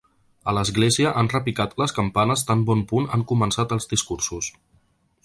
A l’església han repicat les campanes tan bon punt han començat els discursos.